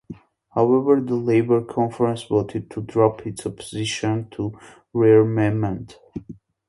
However the Labour conference voted to drop its opposition to rearmament.